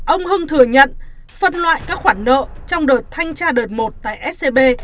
ông hưng thừa nhận phân loại các khoản nợ trong đợt thanh tra đợt một tại scb